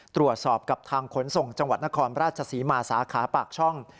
ตรวจสอบกับทางขนส่งจังหวัดนครราชศรีมาสาขาปากช่อง